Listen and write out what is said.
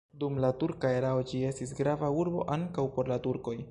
Dum la turka erao ĝi estis grava urbo ankaŭ por la turkoj.